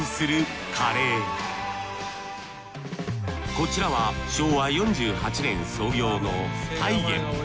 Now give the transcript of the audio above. こちらは昭和４８年創業の太源。